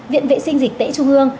viện vệ sinh dịch tễ trung ương